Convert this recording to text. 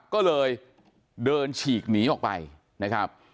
ก็เลยเดินฉีกหนีออกไปนะครับ